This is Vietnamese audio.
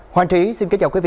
hoàn trí xin kính chào quý vị